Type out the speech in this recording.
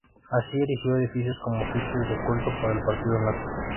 Así, erigió edificios como sitios de culto para el partido nazi.